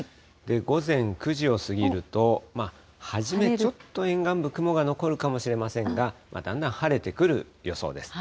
午前９時を過ぎると、初めちょっと沿岸部、雲が残るかもしれませんが、だんだん晴れてくる予想です。